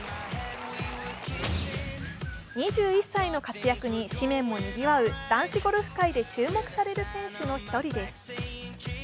２１歳の活躍に紙面もにぎわう男子ゴルフ界で注目される選手の一人です。